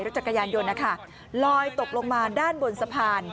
จักรยานยนต์นะคะลอยตกลงมาด้านบนสะพาน